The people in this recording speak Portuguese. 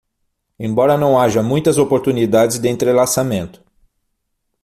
Embora não haja muitas oportunidades de entrelaçamento